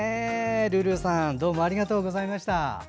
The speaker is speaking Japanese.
ルールーさんどうもありがとうございました。